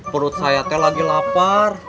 perut saya teh lagi lapar